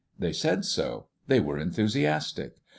They said so. They were enthusiastic.